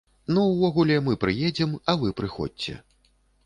Ну, увогуле, мы прыедзем, а вы прыходзьце.